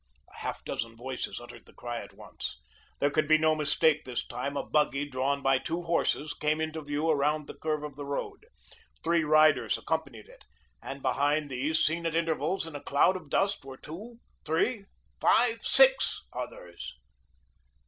A half dozen voices uttered the cry at once. There could be no mistake this time. A buggy, drawn by two horses, came into view around the curve of the road. Three riders accompanied it, and behind these, seen at intervals in a cloud of dust were two three five six others.